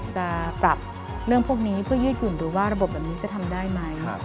จะปรับเรื่องพวกนี้เพื่อยืดหยุ่นดูว่าระบบแบบนี้จะทำได้ไหม